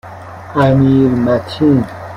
امیرمتین